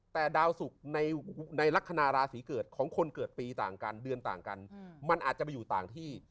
แต่ดาวสุกในลักษณะราศีเกิดของคนเกิดปีต่างกันเดือนต่างกันมันอาจจะไปอยู่ต่างที่